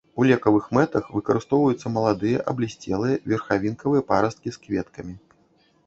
У лекавых мэтах выкарыстоўваюцца маладыя аблісцелыя верхавінкавыя парасткі з кветкамі.